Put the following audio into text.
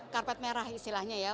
karpet merah istilahnya ya